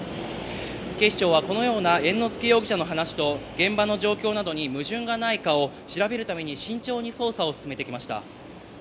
警視庁はこのような猿之助容疑者の話と、現場の状況などに矛盾がないかを調べるために慎重に捜査を進めてきました。